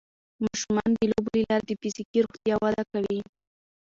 ماشومان د لوبو له لارې د فزیکي روغتیا وده کوي.